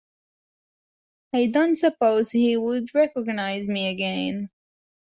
I don’t suppose he would recognise me again.